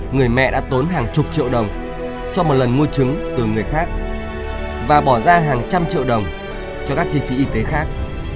người mẹ đã tốn hàng chục triệu đồng cho một lần mua trứng từ người khác và bỏ ra hàng trăm triệu đồng cho các chi phí y tế khác